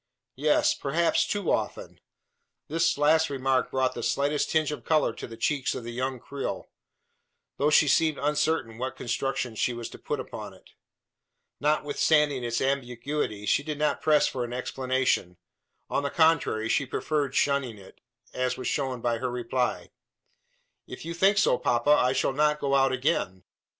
"Yes; perhaps too often." This last remark brought the slightest tinge of colour to the cheeks of the young Creole; though she seemed uncertain what construction she was to put upon it. Notwithstanding its ambiguity, she did not press for an explanation. On the contrary, she preferred shunning it; as was shown by her reply. "If you think so, papa, I shall not go out again.